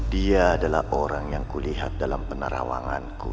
dia adalah orang yang kulihat dalam penerawanganku